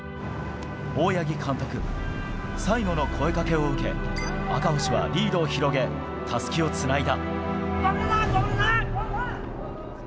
大八木監督、最後の声かけを受け、赤星はリードを広げ、たすきをつないだ。